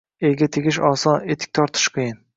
Erga tegish oson, etik tortish qiyin